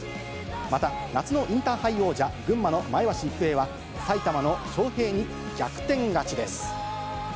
また、夏のインターハイ王者、群馬の前橋育英は、埼玉の昌平に逆転勝ちです。